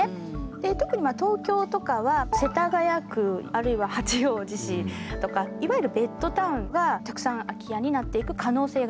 で特に東京とかは世田谷区あるいは八王子市とかいわゆるベッドタウンはたくさん空き家になっていく可能性があると。